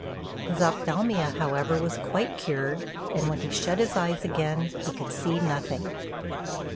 His ophthalmia, however, was quite cured; and when he shut his eyes again he could see nothing.